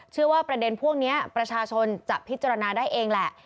ประเด็นพวกนี้ประชาชนจะพิจารณาได้เองแหละ